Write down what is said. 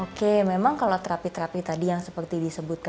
oke memang kalau terapi terapi tadi yang seperti disebutkan